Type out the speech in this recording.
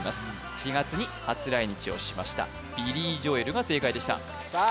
４月に初来日をしましたビリー・ジョエルが正解でしたさあ